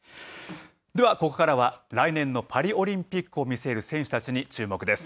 では、ここからは来年のパリオリンピックを見据える選手たちに注目です。